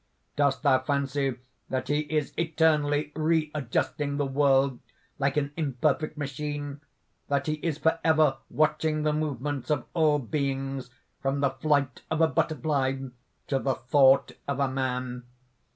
"Dost thou fancy that he is eternally readjusting the world, like an imperfect machine? that he is forever watching the movements of all beings, from the flight of a butterfly to the thought of a man?